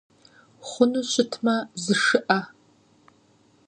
Хъуну щытмэ зышыӏэ!